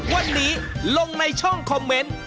วันนี้ลงในช่องคอมเมนต์